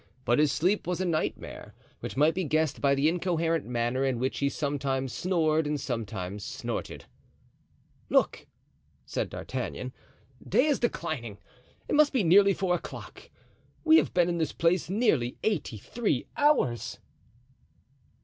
But his sleep was a nightmare, which might be guessed by the incoherent manner in which he sometimes snored and sometimes snorted. "Look," said D'Artagnan, "day is declining. It must be nearly four o'clock. We have been in this place nearly eighty three hours."